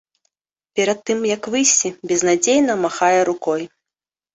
Перад тым як выйсці, безнадзейна махае рукой.